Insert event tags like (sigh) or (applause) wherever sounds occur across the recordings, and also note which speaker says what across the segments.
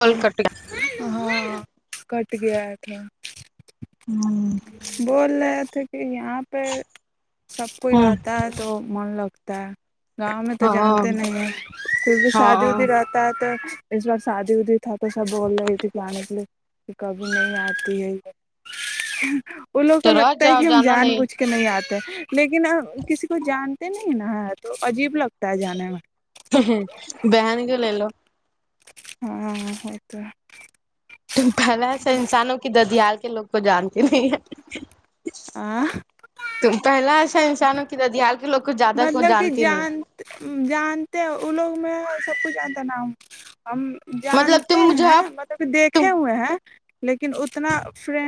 Speaker 1: کال
Speaker 2: ہ
Speaker 1: کٹ
Speaker 2: ہاں گیا ا تھا
Speaker 1: گیا
Speaker 2: بول رہے تو کہ یہاں پر سب کوئی
Speaker 1: ہاں
Speaker 2: رہتا ہے تو من لگتا تا گاؤں میں تو جانتے
Speaker 1: ہاں
Speaker 2: نہیں ہیں کھر بھی شادی
Speaker 1: ہاں
Speaker 2: ودی رہتا ہے تو اس بار شادی ودی تھا تو سب بول رہی تھی پانے کے لیے کہ کبھی نہیں آتی ہے یہ ہ ان لوگ کو
Speaker 1: تیرا
Speaker 2: لگتا ہے
Speaker 1: جاؤ
Speaker 2: کہ ہم
Speaker 1: جانا
Speaker 2: جان بوجھ کے نہیں آتے تو لیکن کسی کو جان نہیں نا ہے تو عجیب لگتا ہے جانے میں
Speaker 1: بہان کے ل لو
Speaker 2: ہاں ہو تو ہے
Speaker 1: تم پہلا ایسا انسانوں کی ددیال کے لوگ کو جانتے نہیں ہے
Speaker 2: ہے،
Speaker 1: تم پہلا ایسا انسان چانوں کی ددیال کے لوگ کو زیادہ کو
Speaker 2: مطلب کہ
Speaker 1: جانتی نہیں
Speaker 2: جان جانتے وہ لوگ میں سب کچھ آتا ہے نام ہم
Speaker 1: مطلب
Speaker 2: جانتے
Speaker 1: تم مجھے
Speaker 2: ہیں
Speaker 1: اب
Speaker 2: مطلب کہ
Speaker 1: تم
Speaker 2: دیکھے ہوئے ہیں لیکن اتنا فری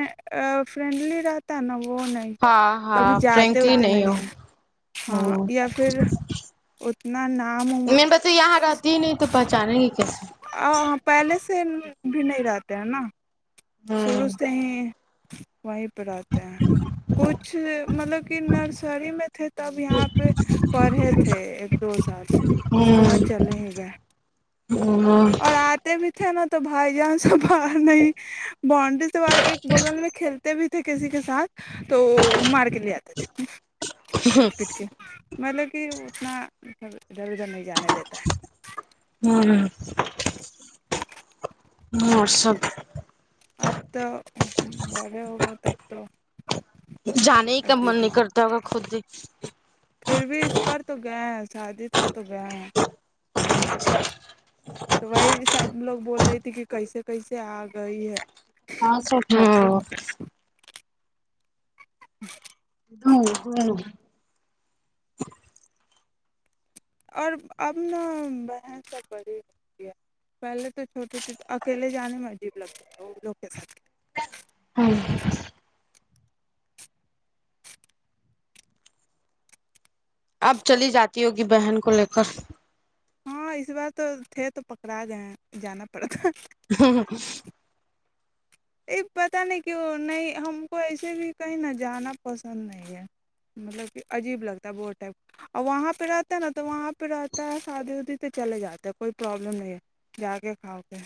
Speaker 2: فرینڈلی رہتا ہے نا وہ وہ نہیں ہے
Speaker 1: ہاں ہاں
Speaker 2: کبھی جاتے ہوتے نہیں ہے
Speaker 1: ہ
Speaker 2: ہاں یا پھر اتنا نہ
Speaker 1: م نے بس یہاں رہتی ہی نہیں تو پہچانیں گے کیسے
Speaker 2: پہلے سے بھی نہیں رہتے ہیں نا
Speaker 1: ہوں
Speaker 2: سروز سے ہی (inaudible) وہیں پہ آتے ہیں کچھ مطلب کہ نرسری میں تھے تب یہاں پہ پڑھے تھے ایک دو سال اس کے بعد چلے ہی گئے
Speaker 1: (unintelligible)
Speaker 2: ک نا تو بھائی جان سب نہیں بانڈری سے بار ایک بغل میں کھیلتے بھی تھے کسی کے ساتھ تو مار کے لے آتے تھے (unintelligible) مطلب کہ اتناھر ادھر ادھر نہیں جانے دیتا ہے
Speaker 1: ہوں مرسد
Speaker 2: اب تو وغہ ہوگا تب تو
Speaker 1: جانے کا
Speaker 2: عجیب
Speaker 1: من
Speaker 2: ہی
Speaker 1: نہیں
Speaker 2: لگتا
Speaker 1: کرتا ہوگا خود
Speaker 2: پھر بھی اس بار تو گیا ہے شادی تھا تو گیا ہے
Speaker 1: (inaudible)
Speaker 2: سب لوگ بول رہی تھی کہ کیسے کیسے آ گئی ہے
Speaker 1: ہاں سو
Speaker 2: (unintelligible)
Speaker 1: ہ ہو
Speaker 2: اور اب ن بن سب بڑی ہوتی ہے پہلے تو چھوٹے چ اکیلے جانے میں عجیب لگتی وہ لوگ کے ساتھ
Speaker 1: ہاں اب چلی جاتی ہوگی بہن کو لے کر
Speaker 2: ہاں اس بار تو تھے تو پکڑا گئے ہیں جانا پڑتا
Speaker 1: (unintelligible)
Speaker 2: ا پتاہ نہیں کیوں نہیں ہم کو ایسے بھی کہیں نہا جانا پسند نہیں ہے مطلب کہ عجیب لگتا ہے بہ ٹائپ اور وہاں پہ رہتا ہے نا تو وہاں پہ رہتا ہے شادی ودی تو چلے جاتے ہے کوئی پرابلم نہیں ہے جا کے کھا کے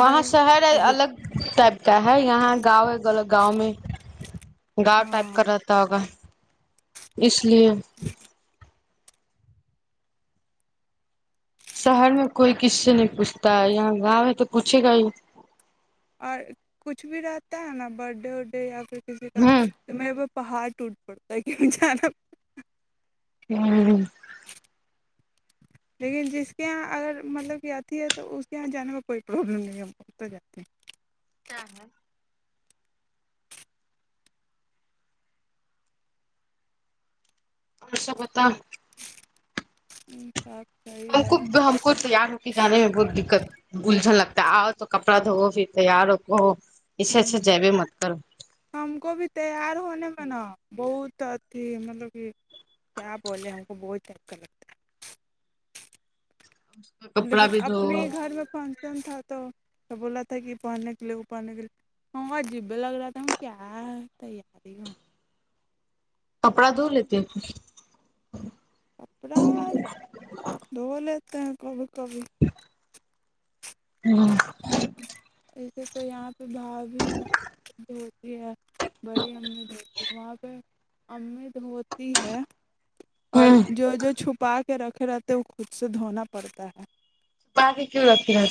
Speaker 1: وہاں شہر ہے
Speaker 2: عجیب
Speaker 1: الگ ٹائپ کیا ہے یہاں گاؤں ہے گ گاؤں میں گاؤں ٹائپ
Speaker 2: ہاں
Speaker 1: کا رہتا ہے (unintelligible) اس لیے شہر میں کوئی کس سے نہیں پوچھتا ہے یہاں گاؤں ہے تو پوچھے گا ہی
Speaker 2: اور کچھ بھی رہتا ہے نا برتھ ڈے ور ڈے یا پھر کسیے کا میں پہاڑ ٹوٹ پڑتا ہے کیوں جانا
Speaker 1: ہوں
Speaker 2: لیکن جس کے یہاں اگر مطلب کہ آتی ہے تو اس کے یہاں جانے میں کوئی پرابلم نہیں ہم اتا جاتے ہیں
Speaker 1: چ ہاں اوررشا پتا
Speaker 2: (unintelligible)
Speaker 1: ہم کو
Speaker 2: ہے
Speaker 1: ہم کو تیار ہو کے جے میں بہت دقت گلجھن لگتا ہے آؤ تو کپڑا دھو پھر تیار ہو اس سے اچھا
Speaker 2: ہ
Speaker 1: جیبیں مت کرو
Speaker 2: ہم کو بھی تیار ہونے نا بہت تھی مطلب کہ کیا بولے ہم کو بہت اچھا لگتا ہے
Speaker 1: کپڑا
Speaker 2: لیکن
Speaker 1: بھی دھو
Speaker 2: اپنے ہی گھر میں فنکشن تھا تو تو بول رہا تھا کہ یہ پہننے کے لیے وہ پہننے کے لیے وہ عجیب ہی لگ رہا تھا کیا تیاری
Speaker 1: کپڑا دھو لیتے ہے خود
Speaker 2: کپڑا دھو لیتے ہیں کبھی کبھی
Speaker 1: ہمم
Speaker 2: میری تو یہاں پہ بھابھی (unintelligible) بڑی امی دھوتی ہے وہاں پہ امی دھوتی ہے اور
Speaker 1: ہوں
Speaker 2: جو جو چھپا رکھے رہتے ہے وہ خود سے دھونا پڑتا ہے
Speaker 1: چھپا کے کیوں رکھتی ہو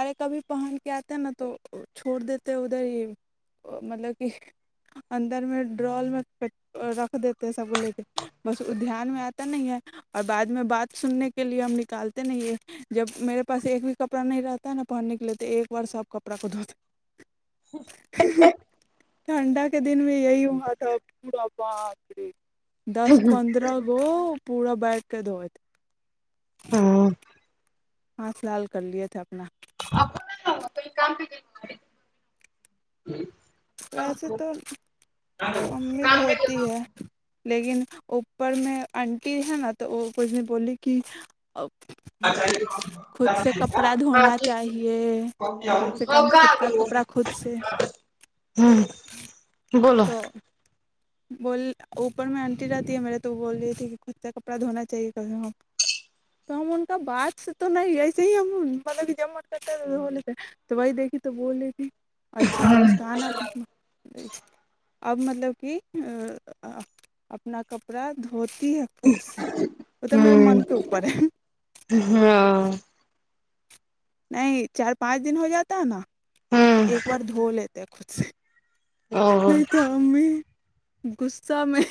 Speaker 2: ارے کبھی پہن کے آتے نا تو چھوڑ دیتے ادھر ہی مطلب کہ اندر میں ڈرال میں رکھ دیتے سب کو لے کے بس وہ دھیان میں آتا نہیں ہے اور بعد میں بات سننے کے لیے ہم نکالتے نہیں ہیں جب میرے پاس ایک بھی کپڑا نہیں رہتا پ نہ پہننے کے لیے تھے ایک بار سب کپڑا کو دھوتے ٹھنڈا کے دن میں یہی ہوا تھا پورا باپ رے (unintelligible) دس پندرہ گو پورا بیٹھ کے دھوئے تھے
Speaker 1: ہاں
Speaker 2: ہاتھ لال کر لیے تھے اپنا
Speaker 1: کوئی کام پہ
Speaker 2: ویسے تو امید
Speaker 1: کام پہ
Speaker 2: ہوتی ہے لیکن اوپر میں آنٹی ہے نا تو وہ کچھ بھی بولے گی خود سے کپڑا
Speaker 1: ہاں
Speaker 2: دھونا
Speaker 1: ٹھیک
Speaker 2: چاہیے کم سے
Speaker 1: ہو
Speaker 2: کم خود کا
Speaker 1: وہ
Speaker 2: کپڑا خود سے
Speaker 1: ہوں بولو
Speaker 2: تو بول اوپر میں آنٹی رہتی ہے میرے تو بول رہی تھی کہ خود سے کپڑا دھونا چاہیے ہم تو ہم ان کا بات تو نہیں ایسے ہی ہم مطلب جب م کرتے دھو لیتے تو وہی دیکھی تو بول رہی تھی (unintelligible) اچھا مسکان آپ اب مطلب کہ اپنا کپڑا دھوتی ہے خود سے وہ تو میرے
Speaker 1: ہمم
Speaker 2: من کے اوپر ہے
Speaker 1: ہاں
Speaker 2: نہیں چار پانچ دن ہو جاتا ہے نا تو
Speaker 1: ہوں
Speaker 2: ایک بار دھولے دھولیتے ہے خود سے
Speaker 1: او
Speaker 2: نہیں تو امی غصہ میں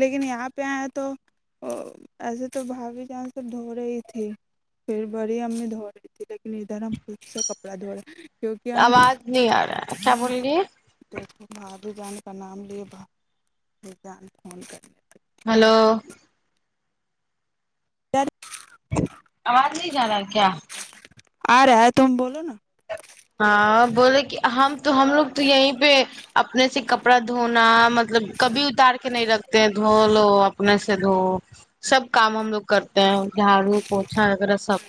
Speaker 2: لیکن یہاں پہ آئے ہیں تو ایسے تو بھابھی جان تو دھو رہی تھی پھر بڑی امی دھو رہی تھی لیکن ادھر ہم خود سے کپڑا دھو رہے کیونکہ ہم
Speaker 1: آواز نہیں آ رہا ہے کیا بول رہی ہے
Speaker 2: دیکھو بھابھی جان کا نام لیے بھابھی جان فون کر رہی ہے
Speaker 1: ہلو
Speaker 2: سر (unintelligible)
Speaker 1: آواز نہیں جا رہا ہے کیا
Speaker 2: آ رہا ہے تم بولو نا
Speaker 1: ہاں بولولے کہ ہم تو ہم لوگ تو یہیں پہ اپنے سے ک کپڑا دھونا مطلب کبھی اتار کے نہیں رکھتے ہیں دھو لو اپنے سے دھو سب کام ہم لوگ کرتے ہیں جھاڑو پوچھا وغیرہ سب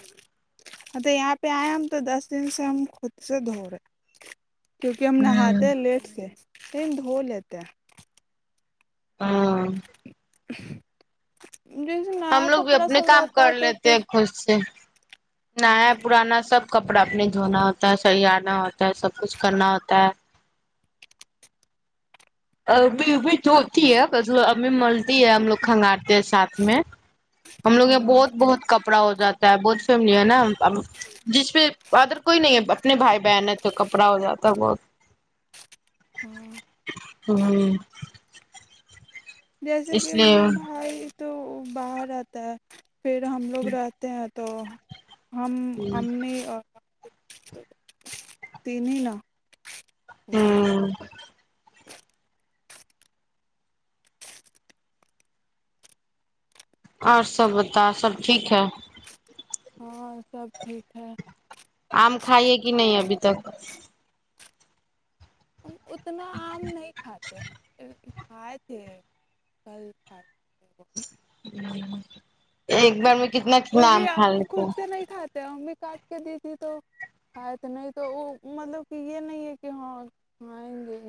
Speaker 2: ہاں تو یہاں پہ آئے ہم تو دس دن سے ہم خود سے دوورے کیونکہ ہم
Speaker 1: ہوں
Speaker 2: نہاتے لیٹ سے تم دھو لیتے ہیں
Speaker 1: ہاں
Speaker 2: (inaudible) (inaudible)
Speaker 1: ہم
Speaker 2: نیا
Speaker 1: لوگ بھی
Speaker 2: کپڑا
Speaker 1: اپنے
Speaker 2: سب
Speaker 1: کام
Speaker 2: رہتا
Speaker 1: کر
Speaker 2: ہے تو
Speaker 1: لیتے
Speaker 2: پھر
Speaker 1: ہیں خود سے نیا پرانا سب کپڑا اپنے دھونا ہوتا ہے سینا ہوتا ہے سب کچھ کرنا ہوتا ہے ا بھی بھی ہوتی ہے بس ایں ملتی ہے ہم لوگ کھنگارتے ہیں ساتھ میں ہم لوگ یہ
Speaker 2: ہاں
Speaker 1: بہت بہت کپڑا ہو جاتا بت فیم ہے نا جس پ ادر کوئی نہیں ہے اپنے بھائی بہن ہے تو کپڑا ہو جاتا بہت
Speaker 2: ہاں
Speaker 1: ہوں
Speaker 2: جیسے
Speaker 1: اس
Speaker 2: کہ
Speaker 1: لیے
Speaker 2: میں بھائی تو باہر آتا ہے پھر ہم لوگ رہتے ہیں تو ہم امی تین ن ہ (inaudible) (inaudible)
Speaker 1: ہوں اور سب بتا سب ٹھیک ہے
Speaker 2: ہاں سب ٹھیک ہے
Speaker 1: آم کھائیے کہ نہیں ابھی تک
Speaker 2: ہم اتنا آم نہیں کھاتے ہیں کھائے تھے کل کھائے تھ وہ
Speaker 1: ایک بار میں کتنا
Speaker 2: وہ
Speaker 1: کتنا
Speaker 2: بھی
Speaker 1: آم کھا
Speaker 2: آپ
Speaker 1: لیتے
Speaker 2: خود
Speaker 1: ہیں۔
Speaker 2: سے نہیں کھاتے امی کاٹ کے دی تھی تو آئے تو نہیں تو وہ مطلب کہ یہ نہیں ہے کہ ہاں کئیں گے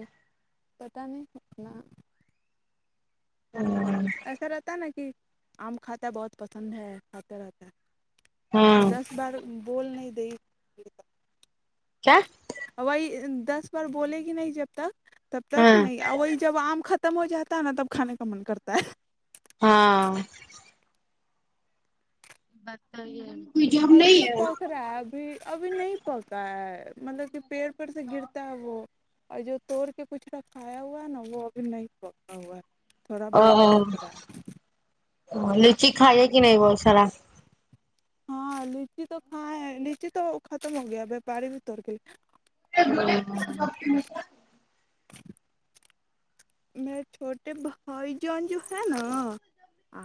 Speaker 2: پت نہیں انا ایسا رہتا نا کہ آم کھاتا ہے بہت پسند ہے کھاتا رہتا ہے
Speaker 1: ہوں
Speaker 2: دس بار بول نہیں دئی
Speaker 1: کیا
Speaker 2: وہی دس بار بولے گی نہیں جب تک تب تک
Speaker 1: ہاں
Speaker 2: نہیں آ وہی جب آم ختم ہو جاتا ہے نا تب کھانے کا من کرتا ہے
Speaker 1: ہاں بت (inaudible)
Speaker 2: ابھی تو پک رہا ہے ابھی ابھی نہیں پکا ہے مطلب کہ پیڑ پر سے گرتا ہے وہ اور جو توڑ کے کچھ رکھایا ہوا ہے نا وہ ابھی نہیں پکا ہوا ہے تھوڑا
Speaker 1: ا
Speaker 2: بہت پک رہا ہے
Speaker 1: ل (inaudible) ج کھائیے کہ نہیں وہول سارا
Speaker 2: ہاں لچی تو کائ لچی تو ختم ہو گیا وپاری بھی تر کے لی
Speaker 1: (inaudible)
Speaker 2: (inaudible) میرے چھوٹے بھائی جان جو ہے نا آ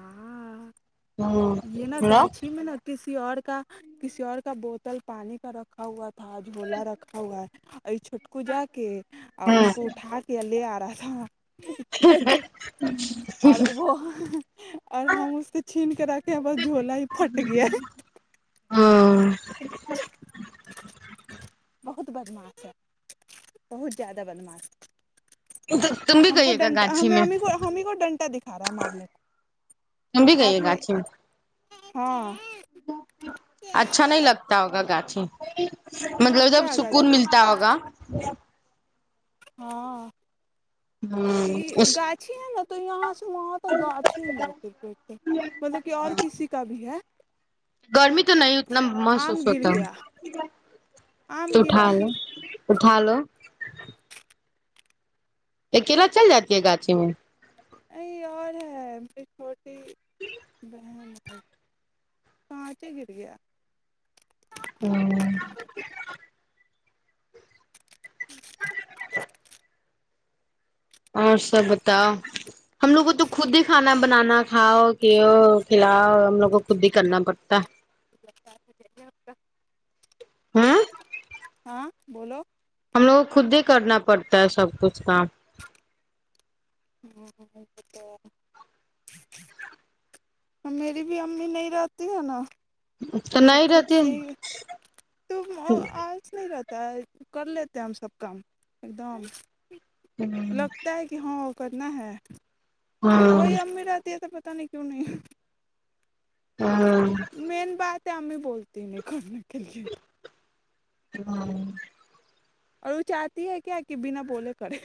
Speaker 1: ہوں
Speaker 2: یہ نا
Speaker 1: ہلو
Speaker 2: گاچھی میں نا کس کسی اور کا کسی اور کا بوتل پانی کا رکھا ہوا تھا تھاج بولا رکھا ہوا ہے ا چھٹک جا کے
Speaker 1: ہاں
Speaker 2: اس کو اٹھا کے لے آ ت تھااں اا اور وہ اور ہم اس سے چھین کے رکھے ہم جھولا ہی پھٹ گیا
Speaker 1: ہاں
Speaker 2: بہت بدماس ہے بہت زیادہ بدماس ہے
Speaker 1: تو تم بھی
Speaker 2: ہم کو
Speaker 1: گئی گا
Speaker 2: ڈنٹا
Speaker 1: گاچھی
Speaker 2: ہم
Speaker 1: میں
Speaker 2: کو ہممی کو ڈنٹا دکھا رہا ہے مارنے
Speaker 1: تم بھی
Speaker 2: کا ہاتھ
Speaker 1: گئی
Speaker 2: میں
Speaker 1: گاچھی
Speaker 2: ہاں
Speaker 1: ہچ مطلب جب
Speaker 2: کیا گاچھی
Speaker 1: سکون ملتا ہوگا
Speaker 2: ہاں
Speaker 1: ہوں اس
Speaker 2: گاھھی ہے نا تو یہاں سے وہاں تو گاچ ہی نہیں مطلب کہ اور کسی کا بھی ہے
Speaker 1: گرمی تو نہیں اتنا
Speaker 2: آم
Speaker 1: محسوس
Speaker 2: گر
Speaker 1: ہوتا
Speaker 2: گیا آم گرا
Speaker 1: توٹھال اٹھا لو اکیلا چل جاتی ہے گاچھی میں
Speaker 2: نہیں اور ہے میری چھوٹی بہن ہے کہانچے گر گیا
Speaker 1: ہوں اور سب بتاؤ ہم لوگ کو تو خود ہی کھانا بنانا کھاؤ کہ ہو کھلاؤ ہم لوگ کو خود ہی کرنا پڑتا
Speaker 2: اتائےے کا
Speaker 1: ہاں
Speaker 2: ہاں بولو
Speaker 1: ہم لوگ خود ہی کرنا پڑتا ہے سب کچھ کام
Speaker 2: ہاں تو (unintelligible) میری بھی امی نہیں رہتی ہے نا تو
Speaker 1: نہیں
Speaker 2: خود
Speaker 1: رہتے
Speaker 2: سے ہی ت آج نہیں رہتا ت کر لیتے ہیں ہم سب کام ایک دم لگتا ہے کہ ہاں کرنا ہے
Speaker 1: ہاں
Speaker 2: اوری امی رہتی ہے تو ت نہیں کیوں نہیں مین بات تو آ بھی بولتی نہیں کر تھینک یو
Speaker 1: ہاں (unintelligible)
Speaker 2: اور وہ چاہتی ہے کیا کہ بنا بولے کرے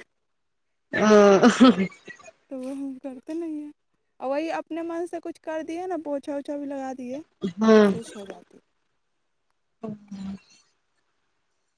Speaker 1: (inaudible)
Speaker 2: تو وہ ہم کرتے نہیں ہیں اور وہی اپنے من سے کچھ کر دیا نا پوچھا چ بھی لگا دیے تو خوش ہو جاتی ہے
Speaker 1: اس۔۔